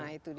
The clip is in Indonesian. nah itu dia